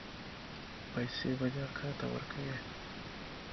پيسې به دې اکا ته ورکوې.